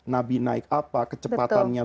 nabi naik apa kecepatannya